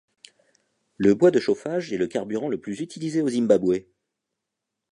Le bois de chauffage est le carburant le plus utilisé au Zimbabwe.